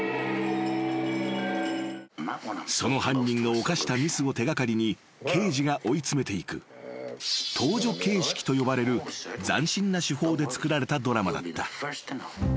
［その犯人の犯したミスを手掛かりに刑事が追い詰めていく倒叙形式と呼ばれる斬新な手法で作られたドラマだった］